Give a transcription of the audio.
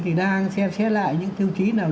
thì đang xem xét lại những tiêu chí nào